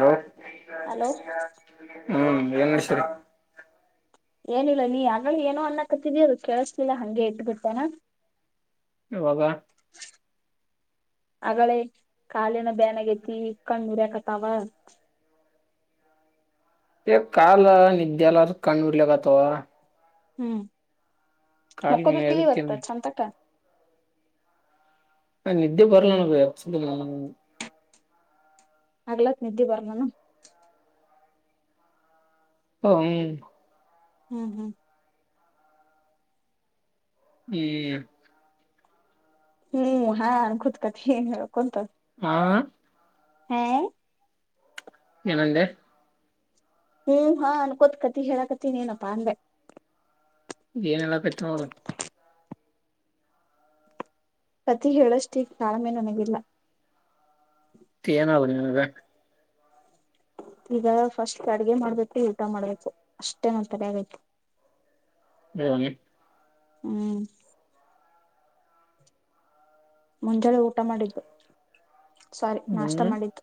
Hello hello [inaudible] ಹ್ಮ್ ಏನ್ ನಡಸಿರಿ ಏನಿಲ್ಲ ನೀನ್ ಆಗಲೇ ಏನೋ ಅನ್ನ ಕತಿದೀ ಅದು ಕೇಳಸಲಿಲ್ಲ ಹಂಗೆ ಇಟ್ಬಿಟ್ಟನಾ ಯಾವಾಗ ಅಗಳೇ ಕಾಲಿನ ಬ್ಯಾನಾಗತಿ ಕಣ್ಣು ಉರಿಯಕತವ ಹೇ ಕಾಲ ನಿದ್ದೆ ಇಲ್ಲ ಅದಕ್ಕೆ ಕಣ್ಣು ಉರಿಕತವ ಹ್ಮ್ ಮನೆ ಮಾಕೋಬೇಕಲ್ಲ ಅದಕ್ಕೆ ಇವತ್ತೂ ಚಂತಕ ನಿದ್ದೆ ಬರಲ್ಲ ನಂಗೆ ಆಗ್ಲತ್ ನಿದ್ದಿ ಬರ್ಲಾನ ಹ್ಮ್ ಹ್ಮ್ ಹ್ಮ್ ಹ್ಮ್ ಹ್ಮ್ ಹಾ ಹಂನ್ಕೊಂತ ಕಥಿ ಏನ್ ಹೇಳ ಕುಂತ ಹಾ ಹಾ ಏನಂದೆ ಹ್ಮ್ ಹಾ ಅನ್ಕೋತ್ ಕತಿ ಹೇಳಕತಿನೆಪ್ಪಾ ಅಂದೆ ಏನಿಲ್ಲ [unintelligible] ಕಥೆ ಹೇಳೋ ಅಷ್ಟು ತಾಳ್ಮೆ ಈಗ್ ನಮಗಿಲ್ಲ [unintelligible] ಈಗ ಫಸ್ಟ್ ಅಡಿಗೆ ಮಾಡ್ಬಿಟ್ಟು ಊಟ ಮಾಡ್ಬೇಕು ಅಷ್ಟೇ ನನ್ ತಲೆಯಾಗೈತೆ [unintelligible] ಹ್ಮ್ ಮುಂಜಾನೆ ಊಟ ಮಾಡಿದ್ದು ಸಾರಿ ಹ್ಮ್ ನಾಷ್ಟ ಮಾಡಿದ್ದು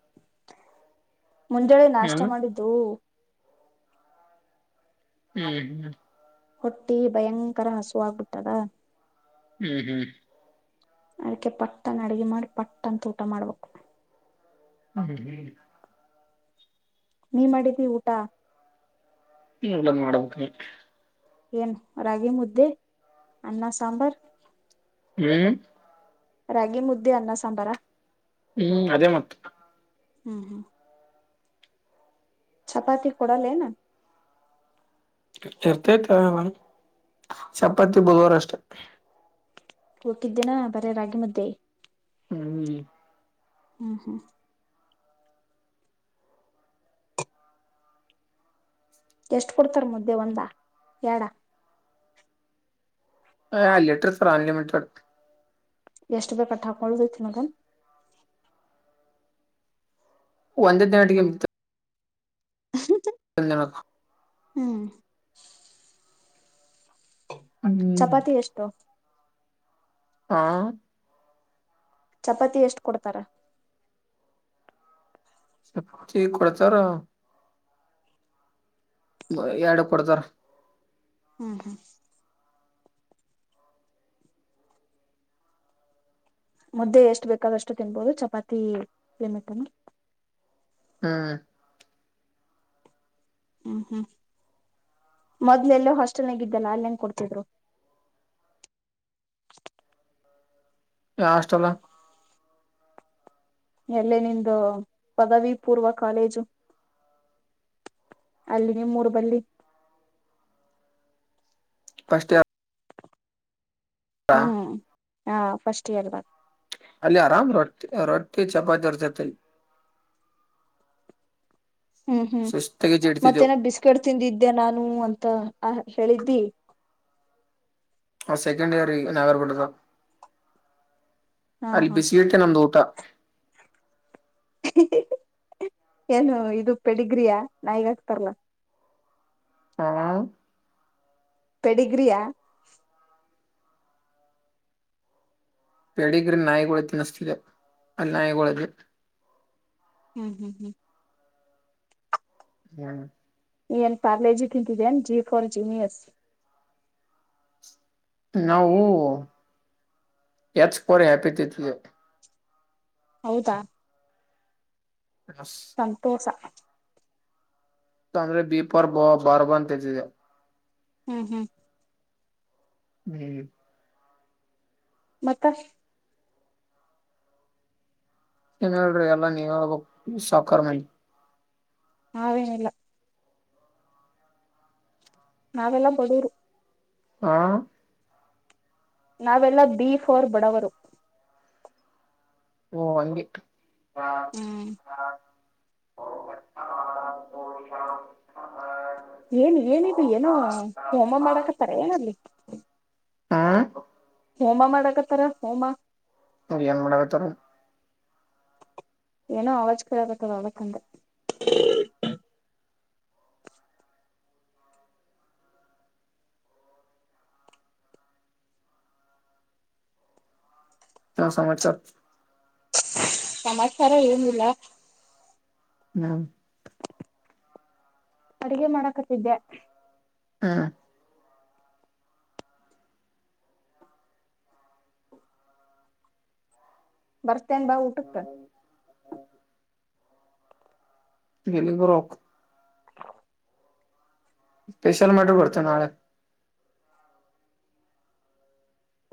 ಮುಂಜಾಳೆ ಹ್ಮ್ ನಾಷ್ಟ ಹ್ಮ್ ಮಾಡಿದ್ದು ಹ್ಮ್ ಹ್ಮ್ ಹೊಟ್ಟಿ ಭಯಂಕರ ಹಸುವಾಗಬಿಟ್ಟದ ಹ್ಮ್ ಹ್ಮ್ ಅದಕೆ ಪಟ್ಟನ್ ಅಡಿಗೆ ಮಾಡಿ ಪಟ್ಟ ಅಂತ ಊಟ ಮಾಡ್ಬೇಕು [unintelligible] ನೀ ಮಾಡಿದ್ದಿ ಊಟ [unintelligible] ಏನ್ ರಾಗಿ ಮುದ್ದೆ ಅನ್ನ ಸಾಂಬಾರ್ ಹ್ಮ್ ರಾಗಿ ಮುದ್ದೆ ಅನ್ನ ಸಾಂಬಾರಾ ಹ್ಮ್ ಅದೇ ಮತ್ತ ಹ್ಮ್ ಹ್ಮ್ ಚಪಾತಿ ಕೊಡಾಲೇನಾ ಇರ್ತೇತಿ ಚಪಾತಿ ಬುಧವಾರ ಅಷ್ಟೇ ಹುಲಿಕಿದ್ ದಿನ ಬರಿ ರಾಗಿ ಮುದ್ದೆ ಹ್ಮ್ ಹ್ಮ್ ಹ್ಮ್ ಎಷ್ಟ ಕೊಡ್ತಾರ ಮುದ್ದೆ ಒಂದ ಎರಡು [unintelligible] ಎಷ್ಟು ಬೇಕಟ್ಟ ಹಾಕಳ್ಬೇಕ ಮದನ್ ಒಂದದಿನ ಗಂಟೆಗೆು [unintelligible] [unintelligible] ಹ್ಮ್ ಚಪಾತಿ ಎಷ್ಟು ಹಾ ಚಪಾತಿ ಎಷ್ಟು ಕೊಡ್ತಾರ ಸಪ್ಪಚ [unintelligible] ಕೊಡ್ತಾರ ಎರಡು ಕೊಡತಾರ ಹ್ಮ್ ಹ್ಮ್ ಮುದ್ದೆ ಎಷ್ಟು ಬೇಕಾದಷ್ಟು ತಿನ್ಬೋದು ಚಪಾತಿ [unintelligible] ಹ್ಮ್ ಹ್ಮ್ ಹ್ಮ್ ಮೊದ್ಲೆಲ್ಲ ಹಾಸ್ಟೆಲ್ಗ ಇದಿದ್ದ್ಯಲ್ಲ ಅಲ್ಲ ಹೆಂಗ ಕೊಡ್ತಿದ್ರು ಹಾಸ್ಟೆಲ್ ಹ [unintelligible] ಎಲ್ಲೇ ನಿಂದು ಪದವಿ ಪೂರ್ವ ಕಾಲೇಜು ಅಲ್ಲಿ ನಿಮ್ಮ ಊರ ಬಲ್ಲಿ [unintelligible] ಇಯರ್ ಹ್ಮ್ ಹಾ ಫಸ್ಟ್ ಇಯರ್ ಬ ಅಲ್ಲಿ ಆರಾಮ್ ರೊಟ್ಟಿ ರೊಟ್ಟಿ ಚಪಾತಿ ದರ್ತತಿಲ್ಲಿ [unintelligible] ಹ್ಮ್ ಹ್ಮ್ ಜಡ್ತಿದ್ದೆವು ಮತ್ತೇನ ಬಿಸ್ಕಟ್ ತಿಂದಿದ್ದೆ ನಾನು ಅಂತ ತ್ತ ಆ [unintelligible] ಸೆಕೆಂಡ್ ಇಯರ್ ನಾಗರ್ಗುಟೆದ [unintelligible] ಹಾ ಅಲ್ಲಿ ಹಾ ಬಿಸಿ ಇಟ್ಟೆ [unintelligible] ನಮ್ದ ಊಟ ಏನು ಇದು ಪೆಡಿಗ್ರಿಯಾ ನಾಯಿಗ್ ಹಕ್ತರ್ಲ್ಲ ಹಾ ಪೆಡಿಗ್ರಿಯಾ ಪೇಡಿಗ್ರ ನಾಯಿಗಳ ತಿನ್ನಿಸತಿದೆ ಅಲ್ಲಿ ನಾಯಿಗಳದು [unintelligible] ಹ್ಮ್ ಹ್ಮ್ ಹ್ಮ್ ಹಾ ಏನ್ ಪಾರ್ಲೇಜಿ ತಿಂತಿದ್ದೇನ್ ಜಿ ಫೋರ್ ಜಿನ್ ಎಸ್ ನಾವು ಯಚ್ಕರಿ [unintelligible] ಹ್ಯಾಪಿತಿವು ಹೌದಾ ಹ [unintelligible] ಸಂತೋಷ [unintelligible] ಬಾರ್ಬ ಅಂತತಿದೆ ಹ್ಮ್ ಹ್ಮ್ ಹ್ಮ್ ಮತ್ತ ಏನ್ ಹೇಳ್ರಿ ಎಲ್ಲಾ ನೀವ ಹಬ [unintelligible] ಸಾಕರ್ ಮಂದಿ ನಾವೇನ್ ಇಲ್ಲ ನಾವೆಲ್ಲಾ ಬಡೂರು ಹ ನಾವೆಲ್ಲ ಬಿ ಫೋರ್ ಬಡವರು ಓ ಅಂಗೆ ಹಾ ಹ್ಮ್ ಹಾ [unintelligible] ಹಷ [unintelligible] ಏನ್ ಏನಿದ ಏನೋ ಹೋಮ ಮಾಡಕ ಹತ್ತಾರ ಏನ್ ಅಲ್ಲಿ ಹಾ ಹೋಮ ಮಾಡಕತ್ತಾರ ಹೋಮ ಹ ಯನ್ ಮಾಡಕ್ತರ ಏನೋ ಅವಾಜ ಕೇಳಾಕತದ ಅದಕ್ ಅಂದೇ ಹ ಸಮಾಚಾರ ಸಮಾಚಾರ ಏನಿಲ್ಲ ಹ್ಮ್ ಅಡುಗೆ ಮಾಡಕತ್ತಿದ್ದೆ ಹಾ ಬರ್ತ ನು ಭ ಉಟಕ ಎಲಿಗ್ ಬರ್ಬೇಕು ಸ್ಪೆಷಲ್ ಮಾಡರ್ ಬರ್ತೀನಿ ನಾಳೆ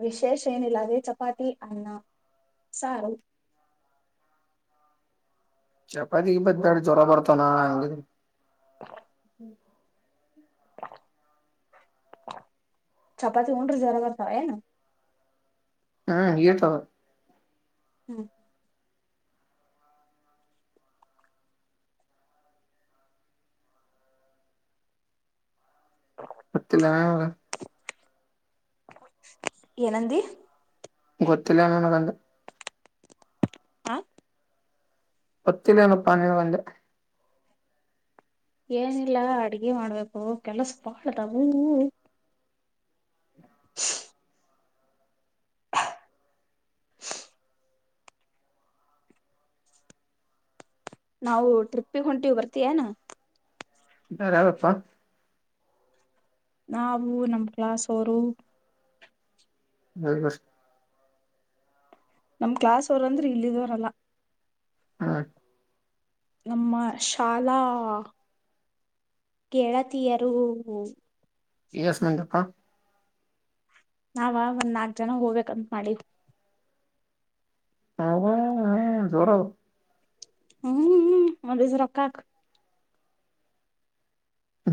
ವಿಶೇಷ ಏನಿಲ್ಲ ಅದೇ ಚಪಾತಿ ಅನ್ನ ಸಾರು ಚಪಾತಿ ಗಿಪಾತಿ ಬೇಡ ಜ್ವರ ಬರ್ತವೆ ನಾಳೆ [unintelligible] ಹ [unintelligible] ಚಪಾತಿ ಉಂಡ್ರೆ ಜ್ವರ ಬರ್ತಾವೆನು ಹ್ಮ್ ಇತ ಹ್ಮ್ ಹತ್ತಿನಾಗ ಏನಂದಿ ಗೊತ್ತಿಲ್ಲ ನನ್ಗಂದೆ ಹ ಮತ್ತೆ ಇಂಯೇನಪ್ಪ ಅಂದೆ ಏನಿಲ್ಲ ಅಡ್ಗೆ ಮಾಡ್ಬೇಕು ಕೆಲಸ ಬಾಳದ ಹೂ [unintelligible] ನಾವು ಟ್ರಿಪ್ಪಿಗೆ ಹೊಂಟೀವಿ ಬರ್ತಯನಾ ಯಾರ ಯಾವಪ್ಪಾ ನವುೂ ನಮ್ ಕ್ಲಾಾಸೋರು ಹೋಗ್ಬರಿ ನಮ್ ಕ್ಲಾಸ್ ಅವರಂದ್ರೆ ಇಲ್ಲಿಿದವರಲ್ಲ ಹಾ ನಮ್ಮ ಶಾಲಾ ಗೆಳತಿಯರು ಎಸ್ ಮಂದಿ ಅಪ್ಪ ನಾವ ಒಂದ್ ನಾಕ್ ಜನ ಹೋಗ್ಬೇಕಂತ ಮಾಡಿವ್ ಹ ಹ ಜೋರ್ ಅದ ಹ್ಮ್ ಒನ್ ದಿಸಾ ರೊಕ್ಕಾಕ್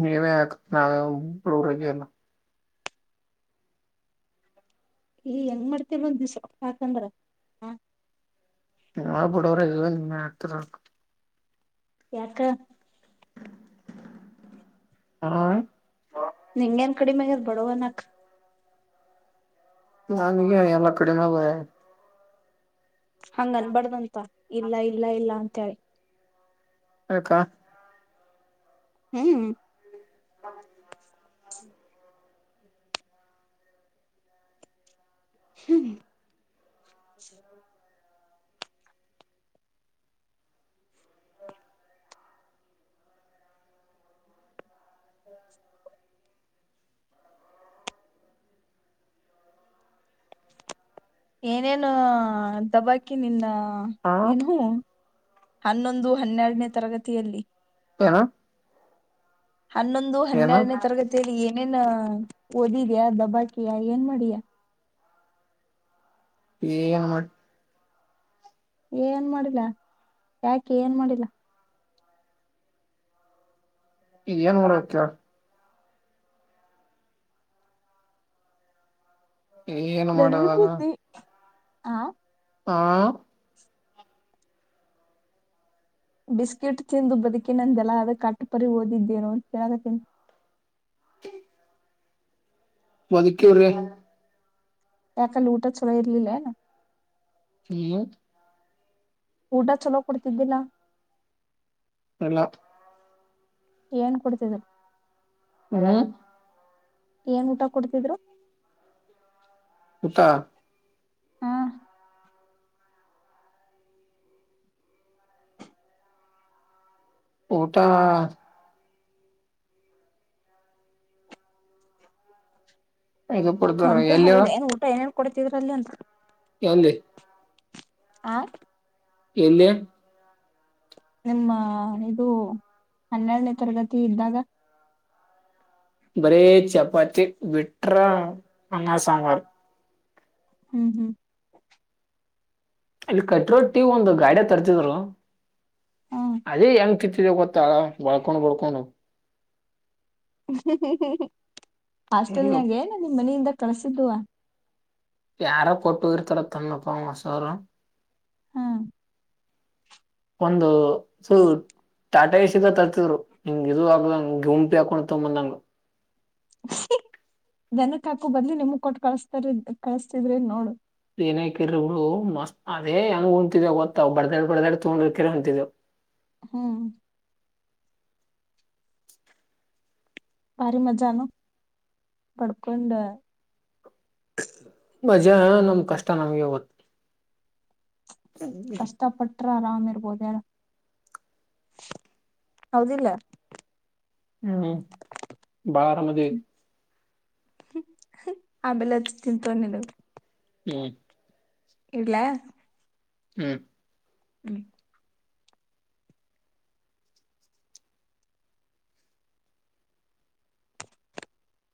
ನೀನೇ ಅಕ್ ಈ ಹೆಂಗ್ ಮಾಡ್ತವಿ ಬಂದಿವ ಸ್ವಪ್ಪ ಹಾಕಂದ್ರ ಹ ನಾವ್ ಬಾಡೂರ್ ಅದೀವಿ ನೀವೇ ಅಕ್ತಿರಾ ಅಕ್ ಯಾಕ್ಕ ಹ ನಿಂಗೇನ್ ಕಡಿಮೆಾಗದ ಬಡವನಾಕ್ ನನ್ಗೆ ಎಲ್ಲ ಕಡೆಿನ ಬರ. ಹಂಗನ್ ಬಡ್ದಂತ ಇಲ್ಲ ಇಲ್ಲ ಇಲ್ಲ ಅಂತ ಹೇಳಿ. ಅಕ್ಕಾ. ಹ್ಮ್. ಹ್ಮ. ಹ್ಮ. ಏನೇನು ದಬಾಕಿ ನಿನ್ನ. ಹ ಏನುೂ. ಹನ್ನೊಂದು ಹನ್ನೆರನೇ ತರಗತಿಯಲ್ಲಿ. ಹನ. ಹನ್ನೊಂದು ಹನ್ನೆರಡನೇ ತರಗತಿಯಲ್ಲಿ ಏನೇ. ಓದಿದ್ಯಾ ದಬಾಕಿಯ ಏನ್ ಮಾಡಿಯಾ. ಈ ನಮ್ಮ. ಏನ್ ಮಾಡಿಲ್ಲ ಯಾಕೆ ಏನ್ ಮಾಡಿಲ್ಲ. ಏನ್ ಮೂರಕ್ಕ. ಏನ್ ಮಾಡದಾಗ ನನಭೂತಿ. ಹಾ. ಹಾ. ಬಿಸ್ಕಿಟ್ ತಿಂದು ಬದಕಕ್ಕೆ ನಾನ ದಲದ ಕಾಟುಪರಿ ಓದಿದ್ದೇನೋ ಕೇಳದ ತಿ. ಬದುಕರ. ಯಕ ಊಟ ಚಲ ಇರ್ಲಿಲ್ಲನಾ. ಹ್ಮ. ಊಟ ಚಲೋ ಕುಡ್ತಿದ್ದಿಲ್ಲ. ಎಲ್ಲಾ. ಏನ್ ಕುಡ್ತಿದರು. ಹ. ಏನ್ ಊಟ ಕೊಡ್ತಿದ್ರು. ಹತ್ತಾ. ಹಾ ಟಾ. ಕೊಡ್ತಾರ ಎಲ್ಲಿಯವ. ಕೊಡತಿದ್ರ ಅಲ್ಲಿ ಅಂತ. ಹೆ. ಹ. ಎಲ್ಲಿ. ನಿಮ್ಮ ಇದು ಹನ್ನೆರಡನೇ ತರಗತಿ ಇದ್ದಾಗ. ಬರೀ ಚಪಾತಿ ವಬಿಟ್ರ ಅನ್ನ ಸಾಂಬಾರ. ಹ್ಮ್ ಹ್ಮ್. ಅಲ್ಲಿ ಕಟ್ಟಿ ರೊಟ್ಟಿ ಒಂದು ಗಾಡ್ಯಾಗ ತರ್ತಿದ್ರು ಹಾ ಅದೇ ಎಂ. ಜ ಕೊತ್ತಾಳ ಬಳ್ಕೊಂಡ ಬಳ್ಕೋೊಂಡ. ಹ್ಮ್ಮ. ಹಾಸ್ಟೆಲ್ನಾಗೆ ನ ನಿಮ್ಮ ಮನೆಯಿಂದ. ಕಳಸಿದ್ದುವ. ಯಾರ ಪಟ್ಟೋಗರತರ ತನ್ನಪ ಮ ಸಾರ. ಹಾ, ಒಂದು ತಾಟ ಇಸಿದ ತರ್ತಿದ್ರು ನಿಂಗ್ ಇದು ಆಗದಂಗ ಗ ಗುಂಪಿ ಹಾಕೊಂಡ ತಂಬಂದಂಗ [unintelligible] ದನಕ್ ಹಾಕು ಬದ್ಲಿ ನಿಮಗ್ ಕೊಟ್ಟು ಕಳಸ್ತಾರ ಕಳಸ್ತಿದ್ರಿ ನೋಡು. - ಏನಕರಡು ಮಸ್ತ್ ಅದೇ ಅಂಗ ಹೊಂತಿದವು ಗೊತ್ತವು. ಬಡದಡ್ ಬಡದಡ್ ತೊಂಗಡ್ರ ಕರ್ ಹೊಂಂತಿದವು. - ಹ್ಮ್, ಭಾರಿ ಮಜಾನು ಹಬಡ್ಕೊಂಡು. - ಮಜಾ ನಮ್ ಕಷ್ಟ ನಮ್ಗೆ ಗೊತ್ತ. - ಕಷ್ಟಪಟ್ಟ- ಆರಾಮ ಇರ್ಬೋದ ಹೇಳಿ ಹೌದಿಲ್ಲ. - ಹ್ಮ್, ಬಾಳ ಅರಾಮದಿವಿ. ಆಮೇಲೆದು ತಿಂತೊಂಡಿದವು. - ಹ್ಮ್, ಇಡ್ಲಘ [inaudible] ಹ್ಮ್, ಹ್ಮ [inaudible]